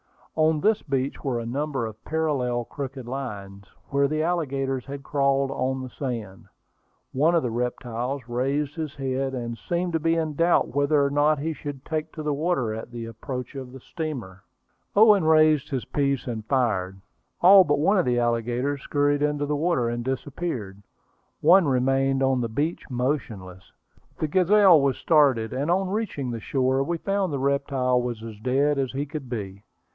On this beach were a number of parallel crooked lines, where the alligators had crawled on the sand. One of the reptiles raised his head, and seemed to be in doubt whether or not he should take to the water at the approach of the steamer. [Illustration: ALLIGATOR SHOOTING ON BLACK CREEK. Page 259.] Owen raised his piece and fired. All but one of the alligators scurried into the water, and disappeared. One remained on the beach motionless. The Gazelle was started, and on reaching the shore we found the reptile was as dead as he could be.